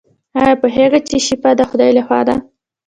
ایا پوهیږئ چې شفا د خدای لخوا ده؟